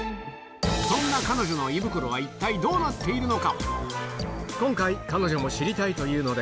そんな彼女の胃袋は一体どうなっているのか。